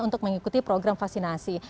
untuk mengikuti program vaksinasi